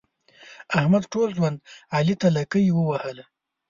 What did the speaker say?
احمد ټول ژوند علي ته لکۍ ووهله.